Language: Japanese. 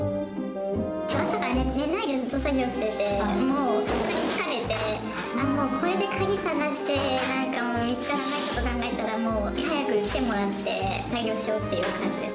朝から寝ないでずっと引っ越し作業してて、もうさすがに疲れて、ああもう、これで鍵探して、なんかもう、見つからないことを考えたら、もう早く来てもらって、対応しようって形です。